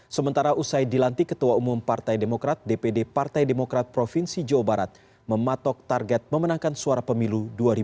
sementara usai dilantik ketua umum partai demokrat dpd partai demokrat provinsi jawa barat mematok target memenangkan suara pemilu dua ribu dua puluh